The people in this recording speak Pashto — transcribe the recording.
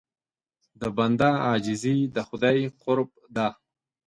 د بنده عاجزي د خدای قرب ده.